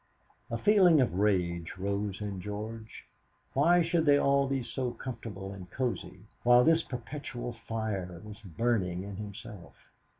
A feeling of rage rose in George. Why should they all be so comfortable and cosy while this perpetual fire was burning in himself?